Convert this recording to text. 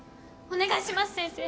お願いします先生！